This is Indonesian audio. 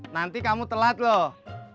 nanti kamu telat loh